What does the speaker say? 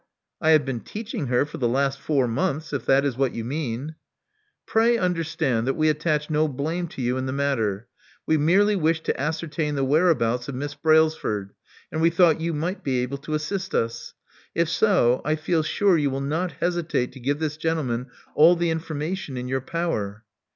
I have been teaching her for the last four months, if that is what you mean." *'Pray imderstand that we attach no blame to you in the matter. We merely wish to ascertain the whereabouts of Miss Brailsford: and we thought you might be able to assist us. If so, I feel sure you will not hesitate to give this gentleman all the information in your power."